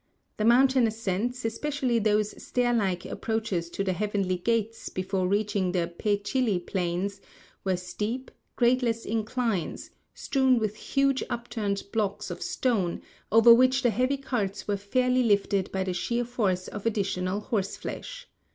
The mountain ascents, especially those stair like approaches to the "Heavenly Gates" before reaching the Pe chili plains, were steep, gradeless inclines, strewn with huge upturned blocks of stone, over which the heavy carts were fairly lifted by the sheer force of additional horse flesh.